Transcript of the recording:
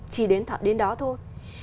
chỉ đến thật đến đó thôi